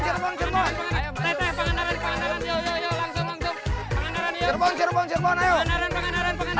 kelapa kelapa kelapa kelapa